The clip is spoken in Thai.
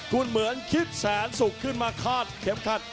คุณเหมือนคิดแสนสุขขึ้นมาคาดเข็มขัด